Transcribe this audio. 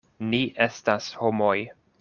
Ni estas homoj.